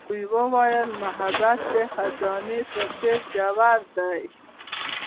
هغې وویل محبت یې د خزان په څېر ژور دی.